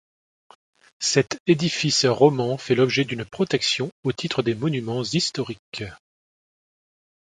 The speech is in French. Cet édifice roman fait l'objet d'une protection au titre des monuments historiques.